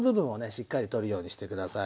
しっかり取るようにして下さい。